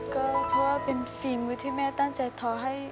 ก็เพราะว่าเป็นฝีมือที่แม่ตั้งใจท้อให้